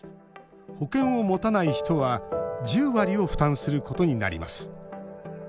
保険を持たない人は１０割を負担することになります。